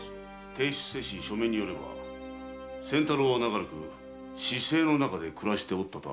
提出せし書面によれば千太郎は長らく市井の中で暮らしておったとあるが？